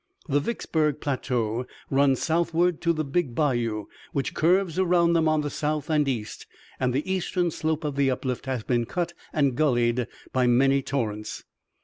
The Vicksburg plateau runs southward to the Big Bayou, which curves around them on the south and east, and the eastern slope of the uplift has been cut and gulleyed by many torrents.